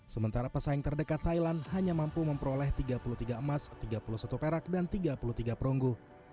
sementara pesaing terdekat thailand hanya mampu memperoleh tiga puluh tiga emas tiga puluh satu perak dan tiga puluh tiga perunggu